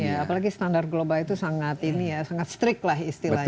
apalagi standar global itu sangat ini ya sangat strict lah istilahnya